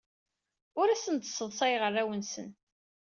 Ur asen-d-sseḍsayeɣ arraw-nsen.